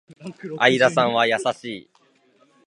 相田さんは優しい